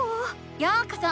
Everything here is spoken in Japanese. ようこそ！